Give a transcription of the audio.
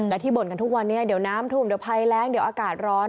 และที่บ่นกันทุกวันนี้เดี๋ยวน้ำท่วมเดี๋ยวภัยแรงเดี๋ยวอากาศร้อน